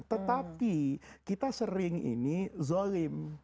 tetapi kita sering ini zolim